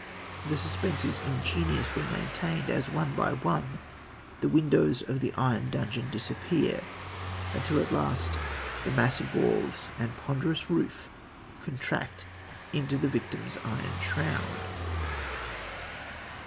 The suspense is ingeniously maintained as, one by one, the windows of the iron dungeon disappear, until, at last, the massive walls and ponderous roof contract into the victim's iron shroud.